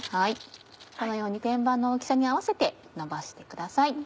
このように天板の大きさに合わせてのばしてください。